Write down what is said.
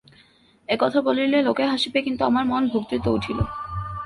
এ কথা বলিলে লোকে হাসিবে, কিন্তু আমার মন ভক্তিতে উঠিল।